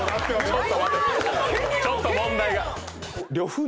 ちょっと問題が。